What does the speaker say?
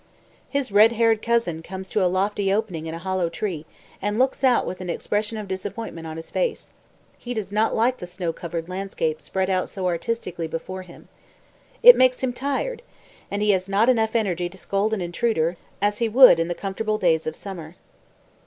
His red haired cousin comes to a lofty opening in a hollow tree and looks out with an expression of disappointment on his face. He does not like the snow covered landscape spread out so artistically before him. It makes him tired, and he has not enough energy to scold an intruder, as he would in the comfortable days of summer.